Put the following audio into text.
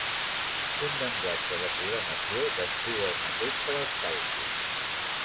Un llenguatge de programació descriu el mateix per als càlculs.